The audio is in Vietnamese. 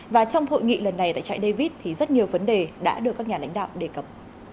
và trong hội nghị lần này tại trại david thì rất nhiều vấn đề đã được các nhà lãnh đạo đề cập